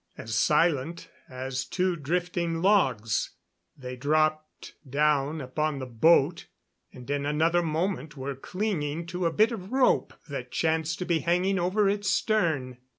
As silent as two drifting logs they dropped down upon the boat and in another moment were clinging to a bit of rope that chanced to be hanging over its stern.